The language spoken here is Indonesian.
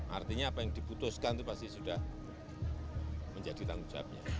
artinya apa yang diputuskan itu pasti sudah menjadi tanggung jawabnya